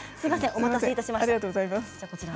お待たせしました。